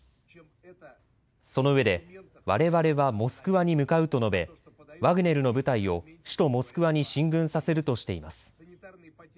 そのうえでわれわれはモスクワに向かうと述べワグネルの部隊を首都モスクワに進軍させるとしています。